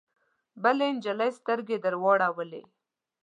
بلې جینۍ سترګې درواړولې